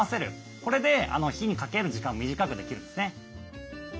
これで火にかける時間を短くできるんですね。